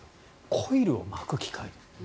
コイルを巻く機械。